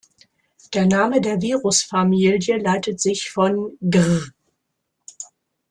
Der Name der Virusfamilie leitet sich von gr.